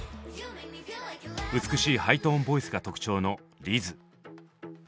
美しいハイトーンボイスが特徴のリズ。